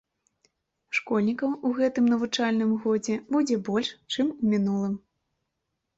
Школьнікаў у гэтым навучальным годзе будзе больш, чым у мінулым.